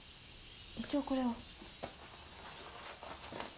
一応これを。